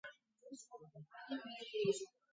აგებულია ძველი კრისტალური ქანებით.